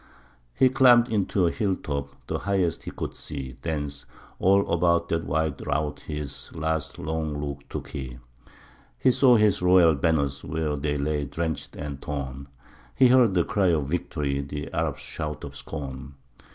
He climbed into a hill top, the highest he could see, Thence all about of that wide rout his last long look took he; He saw his royal banners, where they lay drenched and torn, He heard the cry of victory, the Arab's shout of scorn.